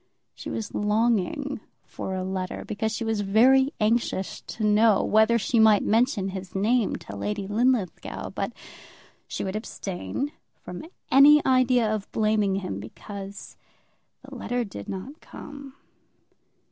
She was longing for a letter, because she was very anxious to know whether she might mention his name to Lady Linlithgow; but she would abstain from any idea of blaming him because the letter did not come.